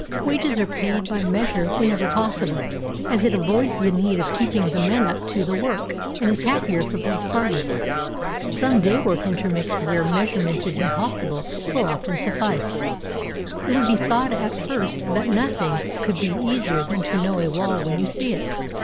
Wages are paid by measure whenever possible, as it avoids the need of keeping the men up to the work, and is happier for both parties. Some day work intermixed where measurement is impossible will often suffice. It would be thought at first that nothing could be easier than to know a wall when you see it.